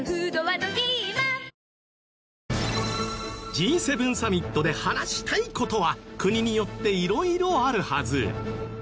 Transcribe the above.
Ｇ７サミットで話したい事は国によって色々あるはず。